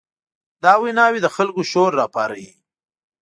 دا ویناوې د خلکو شور راپاروي.